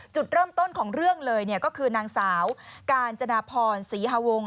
จุดเริ่มต้นของเรื่องเลยก็คือนางสาวกาญจนาพรศรีฮวง